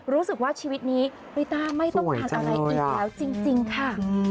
รู้สึกว่าชีวิตนี้ริต้าไม่ต้องการอะไรอีกแล้วจริงค่ะ